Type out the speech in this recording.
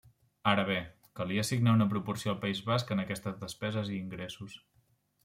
Ara bé, calia assignar una proporció al País Basc en aquestes despeses i ingressos.